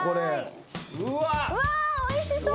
うわっおいしそう。